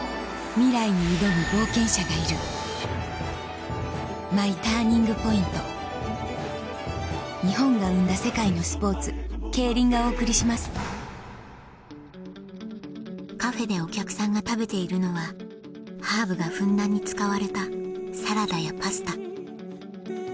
ミライに挑む冒険者がいるカフェでお客さんが食べているのはハーブがふんだんに使われたサラダやパスタ